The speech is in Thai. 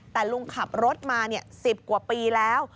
แต่ลุงขับรถมา๑๐กว่าปีแล้ว